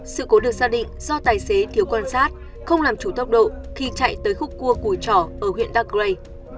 sự cố được xác định do tài xế thiếu quan sát không làm chủ tốc độ khi chạy tới khúc cua cùi trỏ ở huyện đắk rây